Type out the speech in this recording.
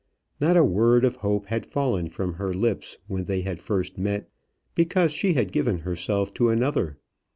Not a word of hope had fallen from her lips when they had first met, because she had given herself to another.